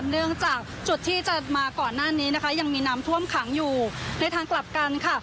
เนื่องจากจุดที่จะมาก่อนหน้านี้นะคะยังมีน้ำท่วมขังอยู่ในทางกลับกันค่ะ